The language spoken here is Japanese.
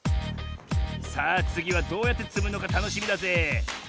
さあつぎはどうやってつむのかたのしみだぜ。